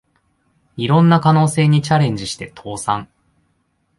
いろんな可能性にチャレンジして倒産